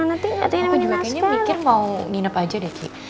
aku juga kayaknya mikir mau nginep aja deh ki